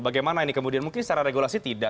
bagaimana ini kemudian mungkin secara regulasi tidak